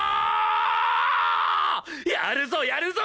やるぞやるぞ！